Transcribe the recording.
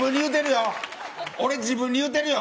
自分に言ってるよ。